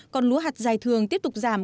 còn lúa hạt dài thường tiếp tục giảm